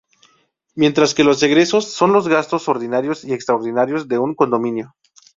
Mientras que los egresos, son los gastos ordinarios y extraordinarios de un condominio.